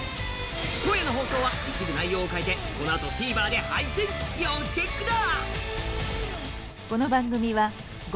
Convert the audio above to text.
今夜の放送は一部内容を変えてこのあとＴＶｅｒで配信要チェックだ！